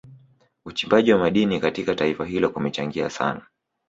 Uchimbaji wa madini katika taifa hilo kumechangia sana